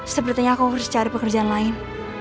sepertinya aku harus cari pekerjaan lain